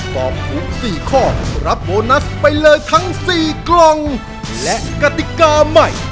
ตอบถูก๔ข้อรับโบนัสไปเลยทั้ง๔กล่องและกติกาใหม่